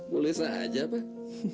boleh saja pak